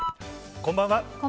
こんばんは。